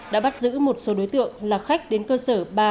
đã bắt giữ một số đối tượng là khách đến cơ sở ba